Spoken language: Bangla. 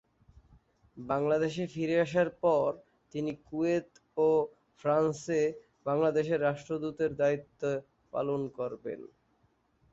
বাংলাদেশে ফিরে আসার পর তিনি কুয়েত ও ফ্রান্সে বাংলাদেশের রাষ্ট্রদূতের দায়িত্ব পালন করবেন।